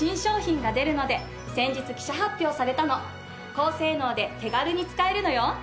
高性能で手軽に使えるのよ。